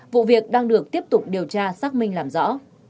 vụ việc đang được tiếp tục điều tra xác minh làm rõ